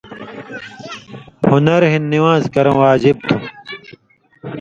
ہُنَر ہِن نِوان٘ز کرٶں واجب تھُو۔